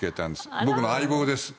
僕の相棒です。